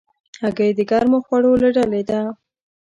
هګۍ د ګرمو خوړو له ډلې ده.